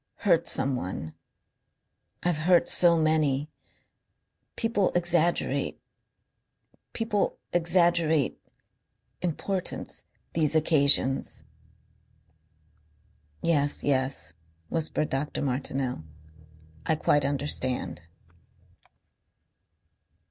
Hurt someone. I've hurt so many. People exaggerate...People exaggerate importance these occasions." "Yes, yes," whispered Dr. Martineau. "I quite understand."